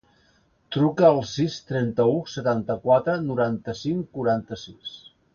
Truca al sis, trenta-u, setanta-quatre, noranta-cinc, quaranta-sis.